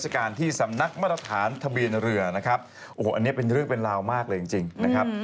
การที่สำนักมาตรฐานทะเบียนเรือนะครับโอ้โหอันนี้เป็นเรื่องเป็นราวมากเลยจริงจริงนะครับ